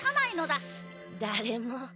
だれも。